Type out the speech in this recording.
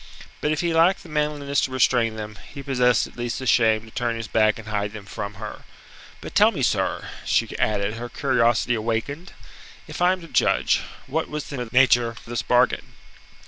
But if he lacked the manliness to restrain them, he possessed at least the shame to turn his back and hide them from her. "But tell me, sir," she added, her curiosity awakened, "if I am to judge, what was the nature of this bargain?"